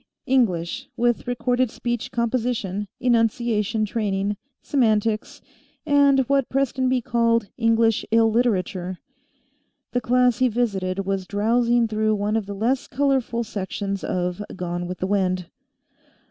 English, with recorded speech composition, enunciation training, semantics, and what Prestonby called English Illiterature. The class he visited was drowsing through one of the less colorful sections of "Gone With The Wind."